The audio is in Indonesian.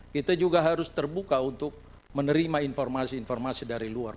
kita juga harus terbuka untuk menerima informasi informasi dari luar